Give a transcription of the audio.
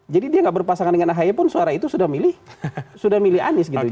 jadi dia gak berpasangan dengan ahaya pun suara itu sudah milih anies gitu